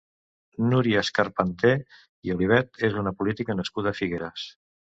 Núria Escarpanter i Olivet és una política nascuda a Figueres.